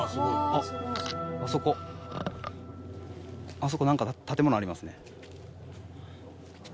あそこなんか建物ありますね。